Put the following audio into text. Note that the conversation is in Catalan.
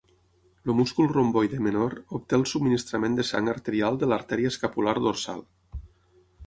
El múscul romboide menor obté el subministrament de sang arterial de l'artèria escapular dorsal.